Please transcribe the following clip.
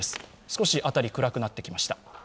少し辺り暗くなってきました。